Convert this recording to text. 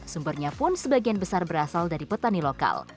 sumbernya pun sebagian besar berasal dari petani lokal